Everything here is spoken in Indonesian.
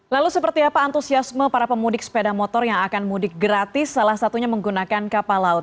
lalu seperti apa antusiasme para pemudik sepeda motor yang akan mudik gratis salah satunya menggunakan kapal laut